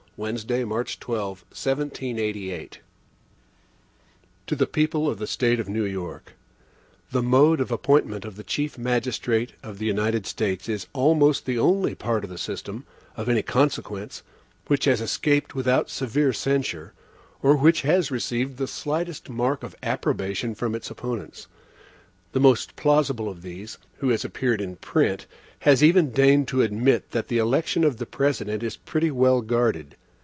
Wednesday, March 12, 1788. HAMILTON To the People of the State of New York: THE mode of appointment of the Chief Magistrate of the United States is almost the only part of the system, of any consequence, which has escaped without severe censure, or which has received the slightest mark of approbation from its opponents. The most plausible of these, who has appeared in print, has even deigned to admit that the election of the President is pretty well guarded.